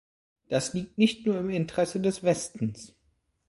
Das liegt nicht nur im Interesse des Westens.